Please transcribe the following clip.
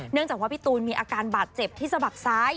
จากว่าพี่ตูนมีอาการบาดเจ็บที่สะบักซ้าย